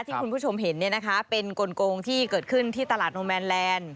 ที่คุณผู้ชมเห็นเป็นกลงที่เกิดขึ้นที่ตลาดโนแมนแลนด์